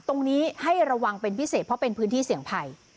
ตรงนี้ให้ระวังเป็นพิเศษเพราะเป็นพื้นที่เสี่ยงภัย